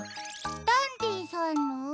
ダンディさんの？